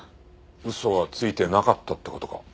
嘘はついてなかったって事か。